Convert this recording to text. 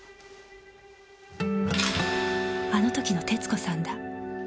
あの時の鉄子さんだ